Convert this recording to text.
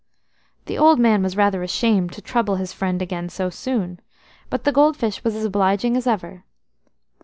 The old man was rather ashamed to trouble his friend again so soon; but the gold fish was as obliging as ever.